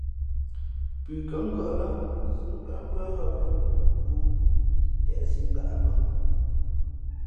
Pʉ kά ngʉ̄ᾱʼ lά síʼ nkwén mbʉ́ά hα wen wū si teʼsǐ ngaʼ bᾱ.